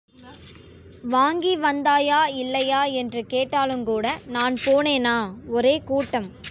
வாங்கி வந்தாயா, இல்லையா? என்று கேட்டாலுங்கூட, நான் போனேனா ஒரே கூட்டம்.